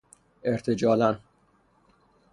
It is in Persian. ارتجالاً